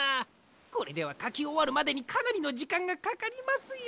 これではかきおわるまでにかなりのじかんがかかりますよ！